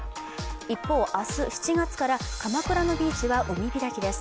一方、明日７月から鎌倉のビーチは海開きです。